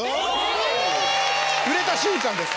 触れた瞬間です。